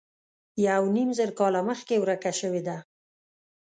یو نیم زر کاله مخکې ورکه شوې ده.